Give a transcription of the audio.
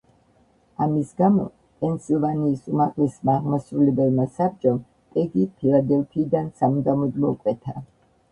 ამის გამო, პენსილვანიის უმაღლესმა აღმასრულებელმა საბჭომ, პეგი ფილადელფიიდან სამუდამოდ მოკვეთა.